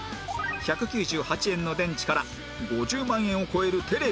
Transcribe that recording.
１９８円の電池から５０万円を超えるテレビまで